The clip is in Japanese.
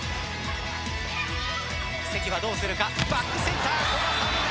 関はどうするかバックセンター古賀紗理那。